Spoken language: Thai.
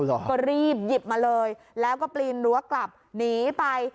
เหรอก็รีบหยิบมาเลยแล้วก็ปีนรั้วกลับหนีไป